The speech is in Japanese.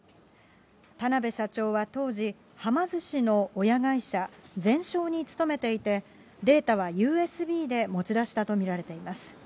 田辺社長は当時、はま寿司の親会社、ゼンショーに勤めていて、データはＵＳＢで持ち出したと見られています。